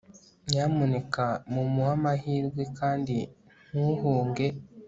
nyamuneka mumuhe amahirwe kandi ntuhunge